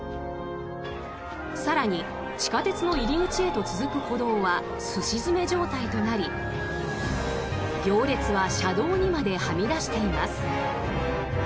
更に、地下鉄の入り口へと続く歩道はすし詰め状態となり行列は車道にまではみ出しています。